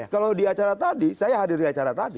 kalau di acara tadi saya hadir di acara tadi